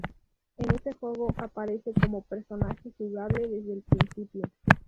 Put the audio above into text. En este juego aparece como personaje jugable desde el principio.